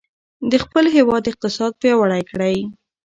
د خپل هېواد اقتصاد پیاوړی کړئ.